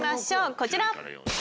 こちら！